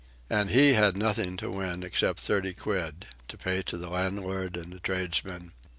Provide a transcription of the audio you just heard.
And he had nothing to win except thirty quid, to pay to the landlord and the tradesmen.